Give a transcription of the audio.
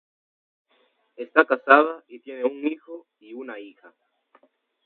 Está casada y tiene un hijo y una hija.